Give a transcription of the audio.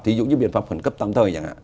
thí dụ như biện pháp phần cấp tăm thời